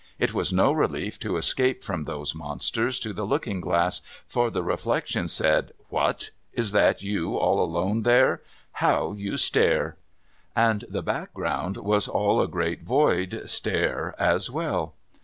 It was no rehef to escape from those monsters to the looking glass, for the reflection said, ' What ? Is that you all alone there ? How you stare !' And the background was all a great void stare as well.